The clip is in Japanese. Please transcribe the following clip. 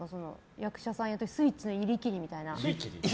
役者さんやってスイッチの入り切りって。